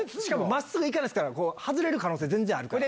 真っすぐ行かないですから外れる可能性全然あるから。